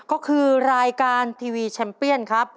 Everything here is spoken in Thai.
ก็คือรายการทีวีแชมเปียนครับ